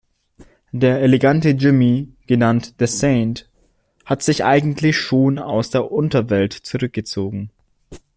Der elegante Jimmy, genannt "The Saint" hat sich eigentlich schon aus der Unterwelt zurückgezogen.